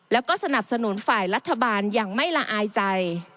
แล้วก็สนับสนุนฝ่ายรัฐบาลอย่างไม่ละอายใจ